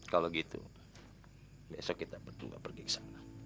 kalau gitu besok kita berdua pergi ke sana